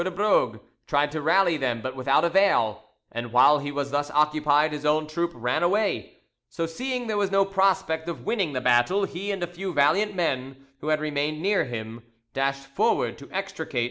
de Brogue tried to rally them, but without avail, and while he was thus occupied his own troop ran away; so seeing there was no prospect of winning the battle, he and a few valiant men who had remained near him dashed forward to extricate M.